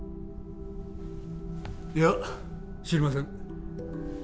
いや知りません